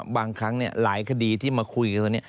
บางครั้งหลายคดีที่มาคุยกันวันนี้